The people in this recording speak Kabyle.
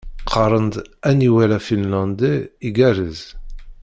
Qqaren-d aniwel afinlandi igerrez.